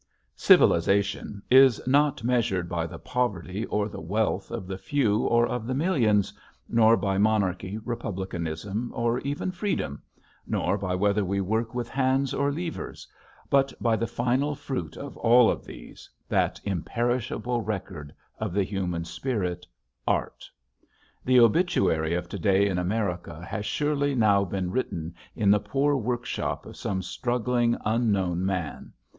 Civilization is not measured by the poverty or the wealth of the few or of the millions, nor by monarchy, republicanism, or even Freedom, nor by whether we work with hands or levers, but by the final fruit of all of these, that imperishable record of the human spirit, Art. The obituary of to day in America has surely now been written in the poor workshop of some struggling, unknown man.